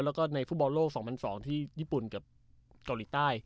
แล้วก็ในฟุตบอลโลก๒๐๐๒ที่ญี่ปุ่นกับเกาหลีใต้